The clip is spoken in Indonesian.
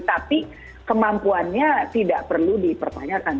tapi kemampuannya tidak perlu dipertanyakan